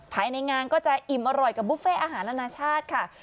ภายในงานก็จะอิ่มอร่อยกับบุฟเฟ่อาหารอนาชาติค่ะ